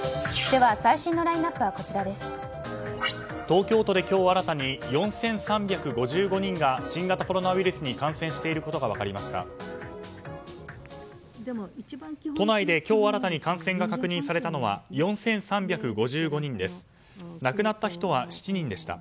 東京都で今日新たに４３５５人が新型コロナウイルスに感染していることが分かりました。